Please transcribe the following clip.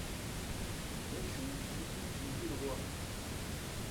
D acu i ken-id-yewwin ɣur-i?